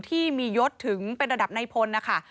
ที่มียศถึงเป็นระดับในพลนะคะ